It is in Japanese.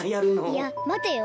いやまてよ。